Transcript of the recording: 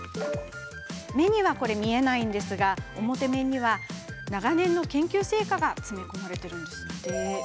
目には見えないんですが表面には長年の研究成果が詰め込まれているんですって。